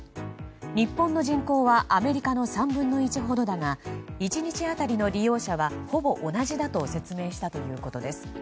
日本の人口はアメリカの３分の１ほどだが１日当たりの利用者はほぼ同じだと説明したということです。